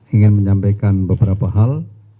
ingin menyampaikan beberapa hal